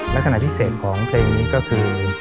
ลักษณะพิเศษของเพลงนี้ก็คือ